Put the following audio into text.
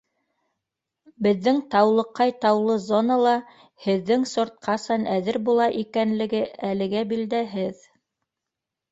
Беҙҙең Таулыҡай таулы зонала, һеҙҙең сорт ҡасан әҙер була икәнлеге әлегә билдәһеҙ